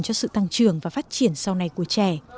cho sự tăng trưởng và phát triển sau này của trẻ